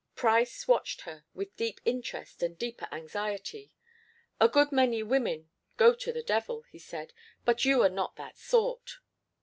Price watched her with deep interest and deeper anxiety. "A good many women go to the devil," he said. "But you are not that sort."